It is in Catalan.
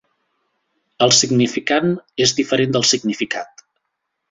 El significant és diferent del significat.